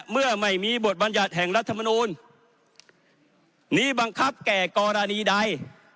เมื่อไม่มีบทบัญญัติแห่งรัฐมนูลนี้บังคับแก่กรณีใด